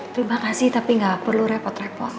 terima kasih tapi nggak perlu repot repot